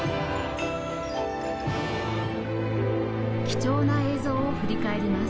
貴重な映像を振り返ります